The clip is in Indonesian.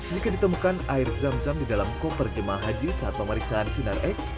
jika ditemukan air zam zam di dalam koper jemaah haji saat pemeriksaan sinar x